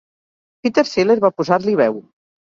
Peter Seller va posar-li veu.